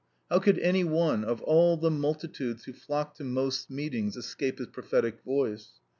How could any one of all the multitudes who flocked to Most's meetings escape his prophetic voice!